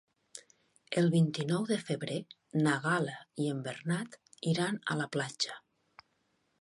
El vint-i-nou de febrer na Gal·la i en Bernat iran a la platja.